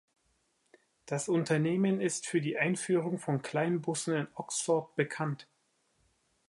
Das Unternehmen ist für die Einführung von Kleinbussen in Oxford bekannt.